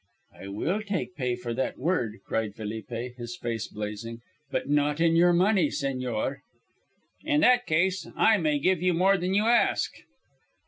"I will take pay for that word," cried Felipe, his face blazing, "but not in your money, señor." "In that case I may give you more than you ask."